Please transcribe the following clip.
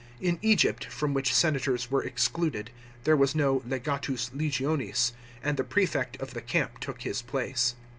In Egypt, from which senators were excluded, there was no legatus legionis, and the prefect of the camp look his place.